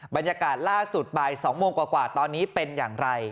บรรยากาศล่าสุดบ่าย๒โมงกว่าตอนนี้เป็นอย่างไร